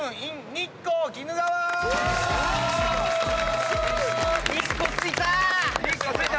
日光着いた！